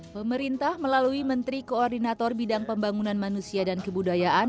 pemerintah melalui menteri koordinator bidang pembangunan manusia dan kebudayaan